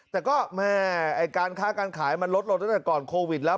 แต่ก็แม่การค้าการขายมันลดลงตั้งแต่ก่อนโควิดแล้ว